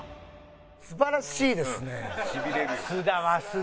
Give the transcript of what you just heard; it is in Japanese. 素晴らしいですね。